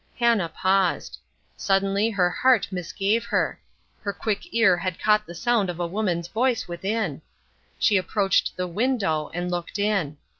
Hannah paused. Suddenly her heart misgave her. Her quick ear had caught the sound of a woman's voice within. She approached the window and looked in.